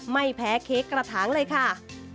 ไม่แพ้เค้กกระถางเลยค่ะ